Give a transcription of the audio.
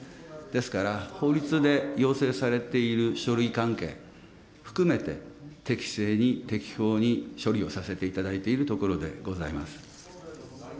ですから、法律で要請されている書類関係含めて、適正に適法に処理をさせていただいているところでございます。